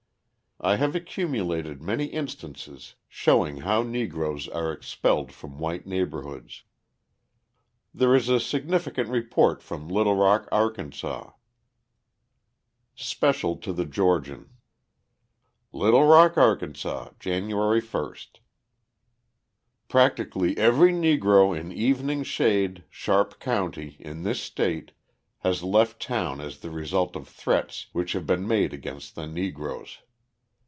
I have accumulated many instances showing how Negroes are expelled from white neighbourhoods. There is a significant report from Little Rock, Arkansas: (Special to the Georgian.) Little Rock, Ark., Jan. 1. Practically every Negro in Evening Shade, Sharp County, in this state, has left town as the result of threats which have been made against the Negroes.